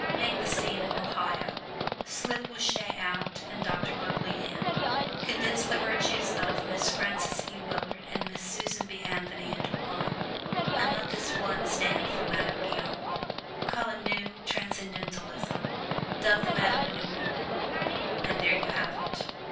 Make the scene Ohio: slip Bossuet out and Doctor Buckley in; condense the virtues of Miss Frances E. Willard and Miss Susan B. Anthony into one, and let this one stand for Madame Guyon; call it New Transcendentalism, dub the Madame a New Woman, and there you have it!